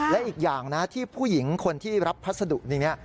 และอีกอย่างนะที่ผู้หญิงคนที่รับพัสดุนี้